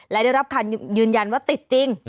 และได้รับคำยืนยันว่าติดจริง